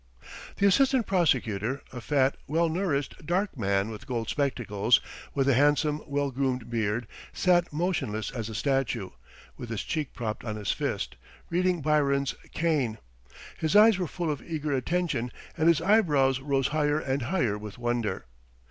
The assistant prosecutor, a fat, well nourished, dark man with gold spectacles, with a handsome, well groomed beard, sat motionless as a statue, with his cheek propped on his fist, reading Byron's "Cain." His eyes were full of eager attention and his eyebrows rose higher and higher with wonder.